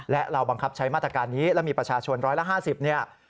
และเราบังคับใช้มาตรการนี้และมีประชาชน๑๕๐เนี่ย